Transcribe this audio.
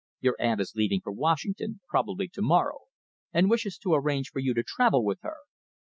Your aunt is leaving for Washington, probably to morrow, and wishes to arrange for you to travel with her.